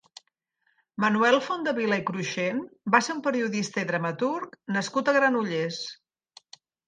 Manuel Fontdevila i Cruixent va ser un periodista i dramaturg nascut a Granollers.